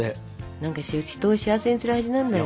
何か人を幸せにする味なんだよ。